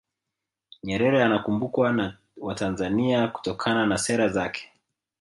nyerere anakumbukwa na watanzania kutokana na sera zake